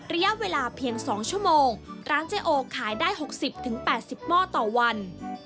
ระยะเวลาเพียง๒ชั่วโมงร้านเจ๊โอขายได้๖๐๘๐หม้อต่อวัน